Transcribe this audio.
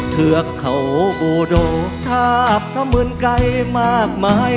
เทือกเขาโบโดทาบทำเหมือนไก่มากมาย